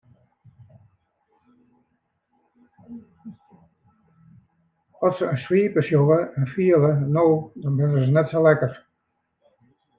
At se in swipe sjogge en fiele no dan binne se net sa lekker.